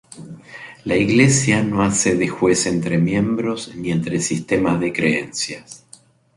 La iglesia no hace de juez entre miembros ni entre sistemas de creencias.